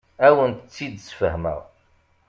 Ad awent-tt-id-sfehmeɣ.